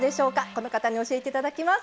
この方に教えていただきます。